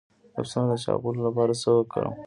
د پسونو د چاغولو لپاره څه ورکړم؟